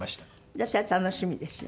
じゃあそれは楽しみですよね。